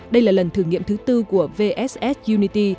đây là lần thử nghiệm thứ tư của vss unity